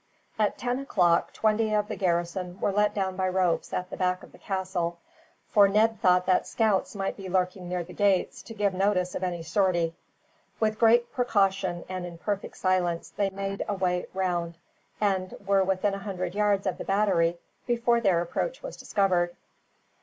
At ten o'clock twenty of the garrison were let down by ropes at the back of the castle, for Ned thought that scouts might be lurking near the gates, to give notice of any sortie. With great precaution and in perfect silence they made a way round, and were within a hundred yards of the battery before their approach was discovered.